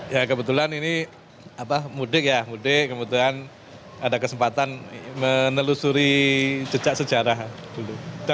ya kebetulan ini mudik ya mudik kebetulan ada kesempatan menelusuri jejak sejarah dulu